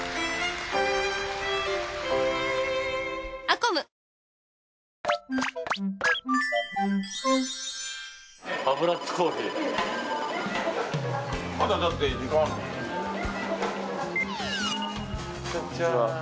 こんにちは。